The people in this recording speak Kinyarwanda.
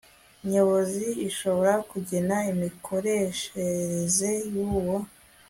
nyobozi ishobora kugena imikoreshereze y uwo